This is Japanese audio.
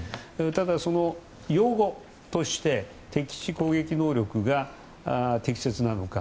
ただ、用語として敵基地攻撃能力が適切なのか